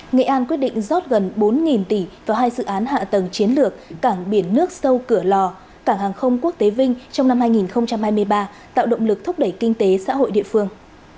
nghệ an quyết định rót gần bốn tỷ vào hai dự án hạ tầng chiến lược cảng biển nước sâu cửa lò cảng hàng không quốc tế vinh trong năm hai nghìn hai mươi ba tạo động lực thúc đẩy kinh tế xã hội địa phương